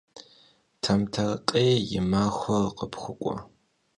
Tamtarkhêy yi maxuer khıpxuk'ue.